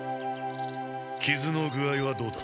きずの具合はどうだ？